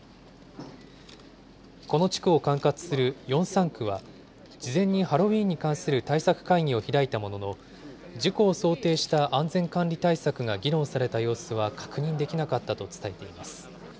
この地区を管轄するヨンサン区は、事前にハロウィーンに関する対策会議を開いたものの、事故を想定した安全管理対策が議論された様子は確認できなかったと伝えています。